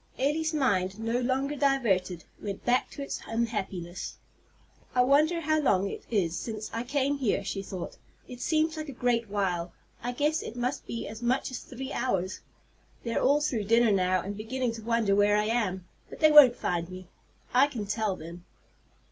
Elly's mind, no longer diverted, went back to its unhappiness. "I wonder how long it is since I came here," she thought. "It seems like a great while. I guess it must be as much as three hours. They're all through dinner now, and beginning to wonder where I am. But they won't find me, I can tell them!"